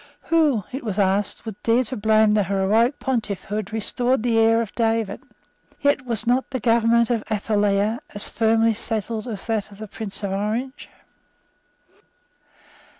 Who, it was asked, would dare to blame the heroic pontiff who had restored the heir of David? Yet was not the government of Athaliah as firmly settled as that of the Prince of Orange?